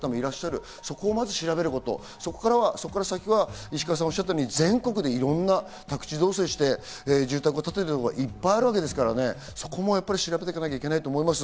まずはそこを調べること、そこから先は石川さんがおっしゃったように、全国でいろんな宅地造成をして住宅を建てているところがいっぱいあるので調べていかなきゃいけないと思います。